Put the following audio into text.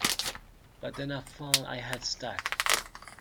But then I found I had stuck.